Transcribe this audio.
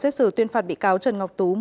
xét xử tuyên phạt bị cáo trần ngọc tú